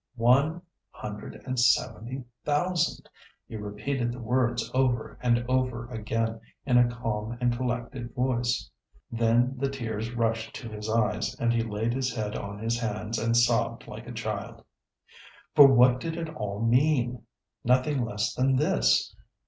"One hundred and seventy thousand!" He repeated the words over and over again in a calm and collected voice. Then the tears rushed to his eyes, and he laid his head on his hands and sobbed like a child. "For what did it all mean? Nothing less than this.